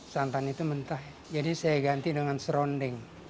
santan itu mentah jadi saya ganti dengan serondeng